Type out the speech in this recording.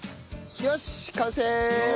よし完成！